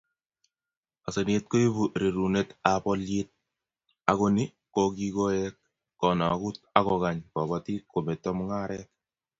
Asenet koibu rerunetab olyet ako ni kokigoek konogut akokanya Kobotik kometo mungaret